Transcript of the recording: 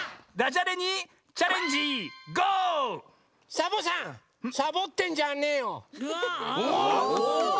サボさんサボってんじゃねえよ！